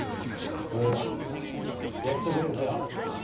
おっ約束ですよ。